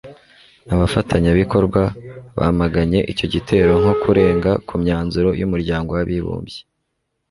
abafatanyabikorwa bamaganye icyo gitero nko kurenga ku myanzuro y'umuryango w'abibumbye